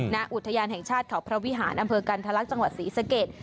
ณอุทยานแห่งชาติเขาพระวิหารอำเภอกันทะลักษณ์จังหวัดศรีสะเกด